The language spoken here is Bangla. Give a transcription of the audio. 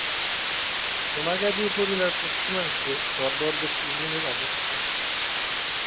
সোনাগাজী উপজেলার পশ্চিমাংশে চর দরবেশ ইউনিয়নের অবস্থান।